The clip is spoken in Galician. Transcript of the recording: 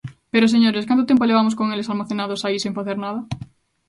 Pero, señores, ¿canto tempo levamos con eles almacenados aí sen facer nada?